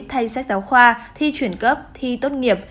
thay sách giáo khoa thi chuyển cấp thi tốt nghiệp